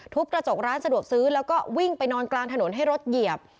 กระจกร้านสะดวกซื้อแล้วก็วิ่งไปนอนกลางถนนให้รถเหยียบ